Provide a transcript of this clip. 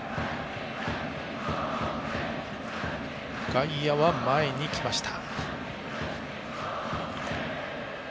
外野は前に来ました。